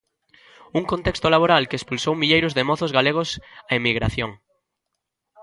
Un contexto laboral que expulsou milleiros de mozos galegos á emigración.